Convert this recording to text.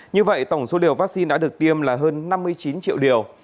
như vậy tổng số liều vaccine đã được tiêm là hơn năm mươi chín triệu điều